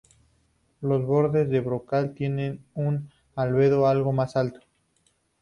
Los bordes del brocal tienen un albedo algo más alto.